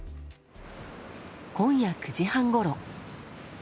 今夜９時半ごろ。